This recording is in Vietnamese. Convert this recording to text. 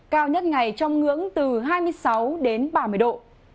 cao nhất ngày trong ngưỡng từ hai mươi sáu đến ba mươi độ